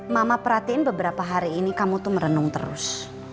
mama perhatiin beberapa hari ini kamu tuh merenung terus